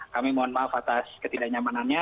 kami mohon maaf atas ketidaknyamanannya